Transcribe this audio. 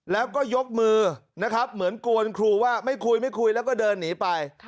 แล้วก็ยกมือนะครับเหมือนกวนครูว่าไม่คุยไม่คุยแล้วก็เดินหนีไป